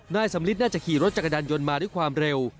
นายสำลิดน่าจะขี่รถจักรยานยนต์มาด้วยความเร็ว